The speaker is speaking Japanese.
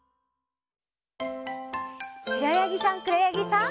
しろやぎさんくろやぎさん。